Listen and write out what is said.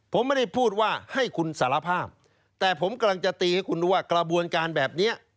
ผมไม่ได้พูดว่าให้คุณสารภาพแต่ผมกำลังจะตีให้คุณดูว่ากระบวนการแบบเนี้ย